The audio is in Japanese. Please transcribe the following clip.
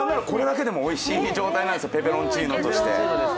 これだけでもおいしい状態なんですよ、ペペロンチーノとして。